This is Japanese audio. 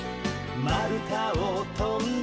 「まるたをとんで」